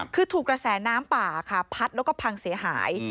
คือถูกกระแสน้ำป่าค่ะพัดแล้วก็พังเสียหาย